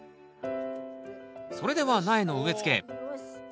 それでは苗の植えつけ。